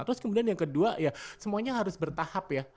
terus kemudian yang kedua ya semuanya harus bertahap ya